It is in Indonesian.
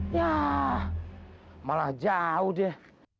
ya malah jauh deh